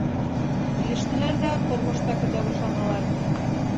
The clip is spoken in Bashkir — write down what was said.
Килештеләр ҙә тормош та көтә башланылар.